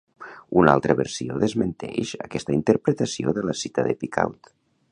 Una altra versió desmenteix aquesta interpretació de la cita de Picaud?